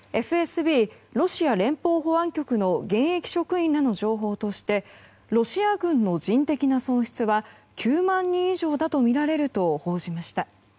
ＦＳＢ・ロシア連邦保安局の現役職員らの情報としてロシア軍の人的な損失は９万人以上だとみられると報じました。